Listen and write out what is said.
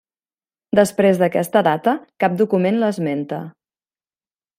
Després d'aquesta data cap document l'esmenta.